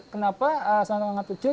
kenapa sangat kecil